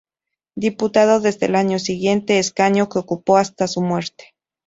Diputado desde el año siguiente, escaño que ocupó hasta su muerte.